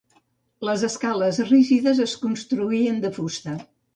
Les escales rígides es construïen de fusta.